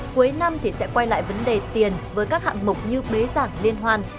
cuối năm thì sẽ quay lại vấn đề tiền với các hạng mục như bế giảng liên hoan